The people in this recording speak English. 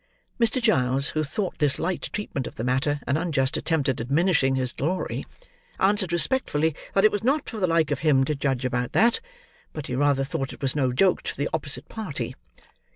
Mr. Giles, who thought this light treatment of the matter an unjust attempt at diminishing his glory, answered respectfully, that it was not for the like of him to judge about that; but he rather thought it was no joke to the opposite party.